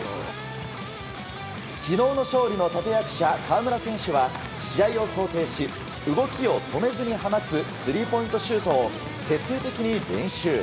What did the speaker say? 昨日の勝利の立役者河村選手は試合を想定し動きを止めずに放つスリーポイントシュートを徹底的に練習。